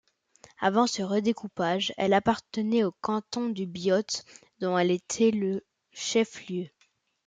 Avant ce redécoupage, elle appartenait au canton du Biot, dont elle était le chef-lieu.